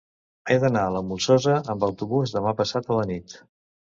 He d'anar a la Molsosa amb autobús demà passat a la nit.